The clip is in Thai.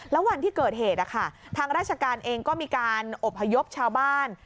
แล้ววันที่เกิดเหตุทางราชการเองก็มีการอบพยพชาวบ้าน